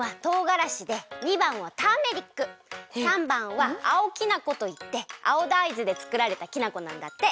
③ばんは青きな粉といって青だいずでつくられたきな粉なんだって。